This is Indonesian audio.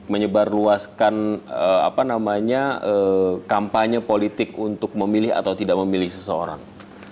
menyebarluaskan kampanye politik untuk memilih atau tidak memilih seseorang